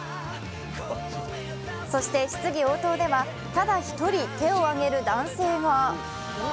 そして質疑応答では、ただ一人、手を挙げる男性が。